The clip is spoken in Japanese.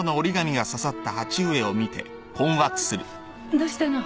どうしたの？